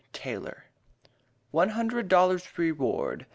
TAYLOR. ONE HUNDRED DOLLARS REWARD.